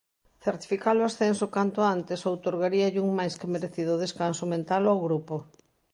Certificar o ascenso canto antes outorgaríalle un máis que merecido descanso mental ao grupo.